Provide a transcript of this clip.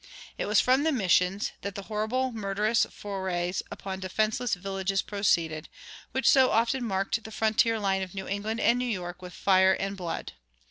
It was from the missions that the horrible murderous forays upon defenseless villages proceeded, which so often marked the frontier line of New England and New York with fire and blood.